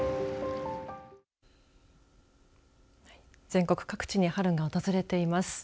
全国各地に春が訪れています。